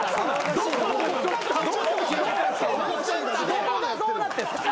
どこがそうなってるんですか？